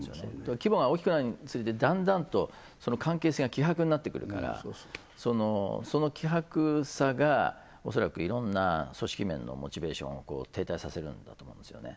規模が大きくなるにつれてだんだんとその関係性が希薄になってくるからその希薄さがおそらくいろんな組織面のモチベーションを停滞させるんだと思うんですよね